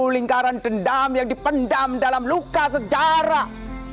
lingkaran dendam yang dipendam dalam luka sejarah